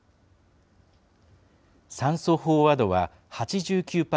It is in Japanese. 酸素飽和度は８９％。